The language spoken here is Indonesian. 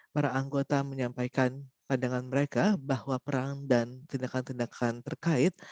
para anggota menyampaikan pandangan mereka bahwa peran dan tindakan tindakan terkait